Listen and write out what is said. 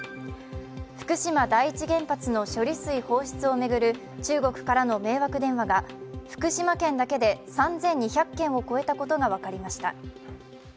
福島第一原発の処理水放出を巡る中国からの迷惑電話が福島県だけで３２００件を超えたことが分かりました。